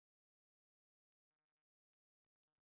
就不会有思想认识的统一